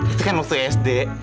itu kan waktu sd